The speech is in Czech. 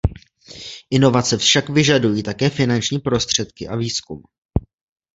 Inovace však vyžadují také finanční prostředky a výzkum.